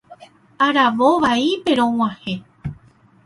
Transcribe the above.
Aravo vaípe rog̃uahẽ.